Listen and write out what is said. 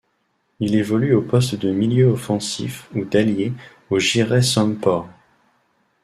Il évolue au poste de milieu offensif ou d'ailier au Giresunspor.